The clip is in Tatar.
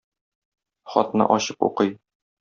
Хатны ачып укый.